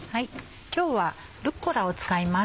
今日はルッコラを使います。